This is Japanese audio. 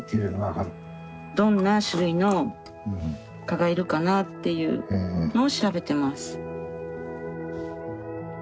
どんな種類の蚊がいるかなっていうのを調べてます。